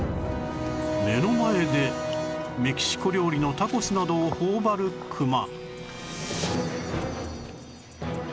目の前でメキシコ料理のタコスなどを頬張るクマ